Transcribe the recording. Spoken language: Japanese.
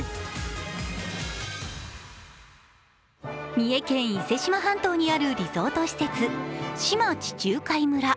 三重県伊勢志摩半島にあるリゾート施設、志摩地中海村。